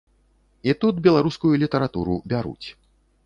І тут беларускую літаратуру бяруць.